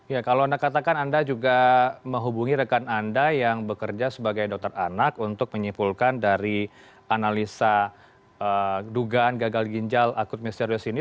ya kalau anda katakan anda juga menghubungi rekan anda yang bekerja sebagai dokter anak untuk menyimpulkan dari analisa dugaan gagal ginjal akut misterius ini